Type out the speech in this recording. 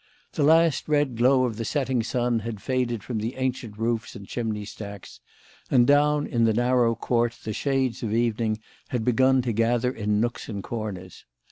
The last red glow of the setting sun had faded from the ancient roofs and chimney stacks, and down in the narrow court the shades of evening had begun to gather in nooks and corners.